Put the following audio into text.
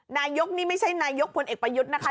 นายกนี่ไม่ใช่นายกพลเอกประยุทธ์นะคะ